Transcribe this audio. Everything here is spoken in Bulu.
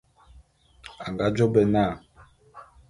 A nga jô bé na.